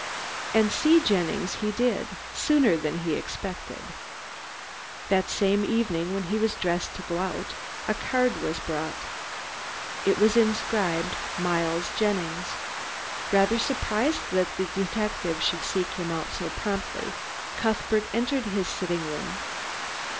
And see Jennings he did, sooner than he expected. That same evening when he was dressing to go out, a card was brought. It was inscribed "Miles Jennings." Rather surprised that the detective should seek him out so promptly, Cuthbert entered his sitting room.